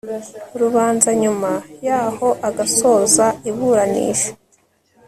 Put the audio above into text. rubanza nyuma yaho agasoza iburanisha